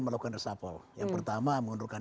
melakukan reshuffle yang pertama mengundurkan